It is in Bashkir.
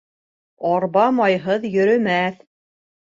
Арба майһыҙ йөрөмәҫ.